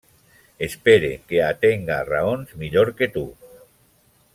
Espere que atenga a raons millor que tu.